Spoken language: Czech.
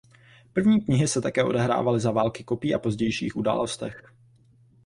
První knihy se také odehrávaly za Války Kopí a pozdějších událostech.